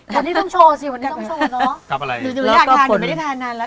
วันนี้ต้องโชว์จริงอยากทานวันนี้ไม่ได้ทานนานแล้ว